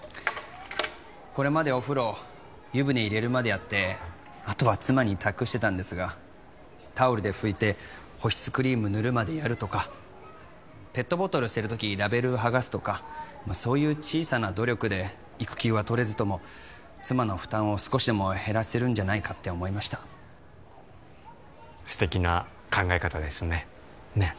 これまでお風呂湯船入れるまでやってあとは妻に託してたんですがタオルでふいて保湿クリーム塗るまでやるとかペットボトル捨てる時ラベルはがすとかそういう小さな努力で育休はとれずとも妻の負担を少しでも減らせるんじゃないかって思いました素敵な考え方ですねねっ